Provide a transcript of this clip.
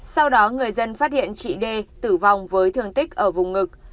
sau đó người dân phát hiện chị đê tử vong với thương tích ở vùng ngực